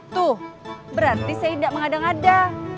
tuh berarti saya enggak mengada ngada